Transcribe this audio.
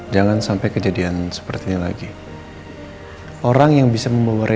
jujur sadar semua